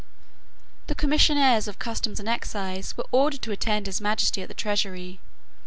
The Commissioners of Customs and Excise were ordered to attend His Majesty at the Treasury.